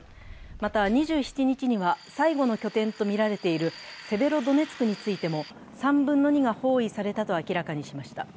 また２７日には、最後の拠点とみられているセベロドネツクについても３分の２が包囲されたと明らかにしました。